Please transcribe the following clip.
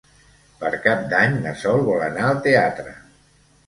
Per Cap d'Any na Sol vol anar al teatre.